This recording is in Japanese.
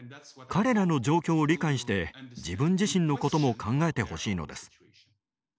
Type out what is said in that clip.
彼らの状況を理解して自分自身のことも考えてほしいのです。